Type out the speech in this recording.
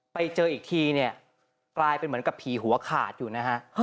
ไปเจออีกทีเนี่ยกลายเป็นเหมือนกับผีหัวขาดอยู่นะฮะ